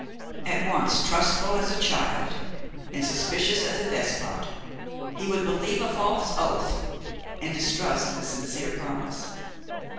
At once trustful as a child and suspicious as a despot, he would believe a false oath and distrust a sincere promise.